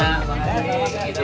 cek dipotong cek